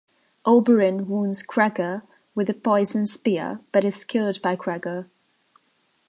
Oberyn wounds Gregor with a poisoned spear but is killed by Gregor.